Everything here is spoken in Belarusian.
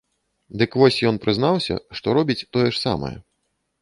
Дык вось ён прызнаўся, што робіць тое ж самае.